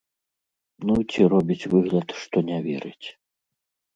Ну, ці робіць выгляд, што не верыць.